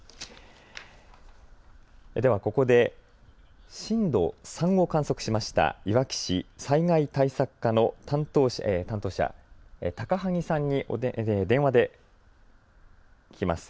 ではここで震度３を観測しましたいわき市災害対策課の担当者、高萩さんに電話で聞きます。